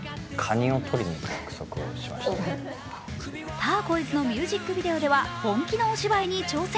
「ターコイズ」のミュージックビデオでは本気のお芝居に挑戦。